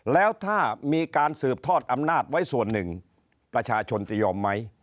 แล้วถ้ามีการสืบทอดอำนาจไว้ส่วนหนึ่งประชาชนจะยอมไหม